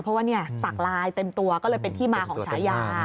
เพราะว่าเนี่ยศักดิ์ลายเต็มตวะก็เลยเป็นที่มาของฉายา